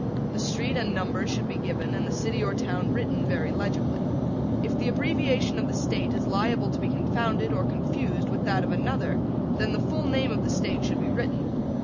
The street and numbers should be given and the city or town written very legibly. If the abbreviation of the State is liable to be confounded or confused with that of another then the full name of the State should be written.